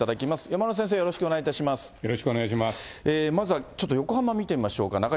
まずはちょっと、横浜見てみましょうか。